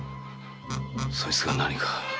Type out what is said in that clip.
そいつが何か？